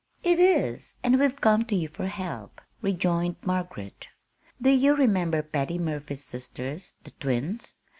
"It is, and we've come to you for help," rejoined Margaret. "Do you remember Patty Murphy's sisters, the twins?